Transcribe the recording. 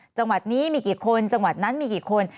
จังหวัดนี้มีกี่คนจังหวัดนั้นมีกี่คน